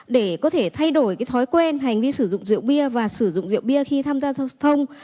để có thể thay đổi cái thói quen hành vi sử dụng rượu bia và sử dụng rượu bia khi tham gia thông